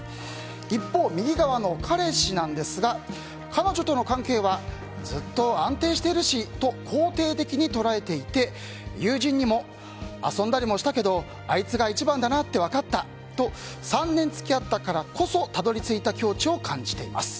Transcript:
一方、右側の彼氏なんですが彼女との関係はずっと安定しているしと肯定的に捉えていて友人にも、遊んだりもしたけどあいつが一番だなって分かったと３年付き合ったからこそたどり着いた境地を感じています。